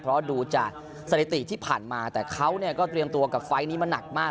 เพราะดูจากสถิติที่ผ่านมาแต่เขาก็เตรียมตัวกับไฟล์นี้มาหนักมาก